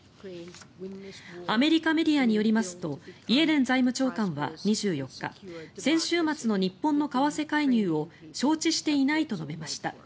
アメリカメディアによりますとイエレン財務長官は２４日先週末の日本の為替介入を承知していないと述べました。